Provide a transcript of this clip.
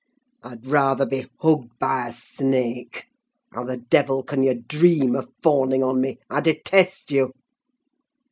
"I'd rather be hugged by a snake. How the devil can you dream of fawning on me? I detest you!"